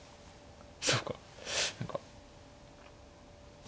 そうか何か。